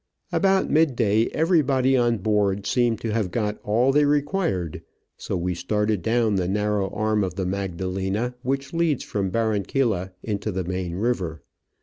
About mid day everybody on board seemed to have got all they required, so we started down the narrow arm of the Magdalena which leads from Barranquilla into the main river.